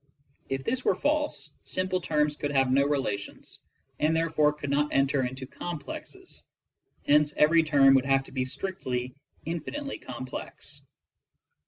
If this were false, simple terms could have no relations, and therefore could not enter into complexes; hence every term would have to be strictly infinitely complex.